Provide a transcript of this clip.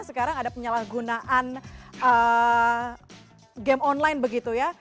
sekarang ada penyalahgunaan game online begitu ya